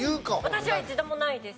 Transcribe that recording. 私は一度もないです。